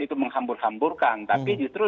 itu menghambur hamburkan tapi justru